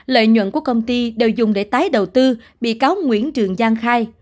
lợi nhuận của công ty đều dùng để tái đầu tư bị cáo nguyễn trường giang khai